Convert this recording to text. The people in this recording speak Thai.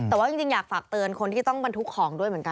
แต่ว่าจริงอยากฝากเตือนคนที่ต้องบรรทุกของด้วยเหมือนกัน